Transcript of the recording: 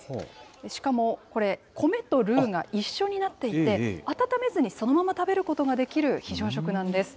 しかもこれ、米とルーが一緒になっていて、温めずにそのまま食べることができる非常食なんです。